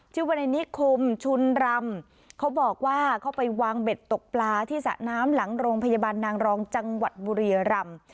วในนิคมชุนรำเขาบอกว่าเขาไปวางเบ็ดตกปลาที่สระน้ำหลังโรงพยาบาลนางรองจังหวัดบุรียรำ